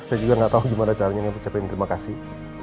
saya juga gak tau gimana caranya ngecapin terima kasih